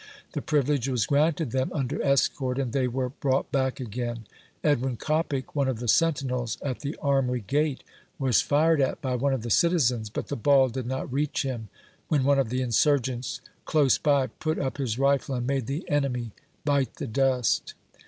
The privilege was granted them, under escort, and they were brought back again. Edwin Coppic, one of the sentinels at the Armory gate, was fired at by one of the citizens, but the ball did not reach him, when one of the insurgents close by put up his rifle, and made the enemy bite the dust.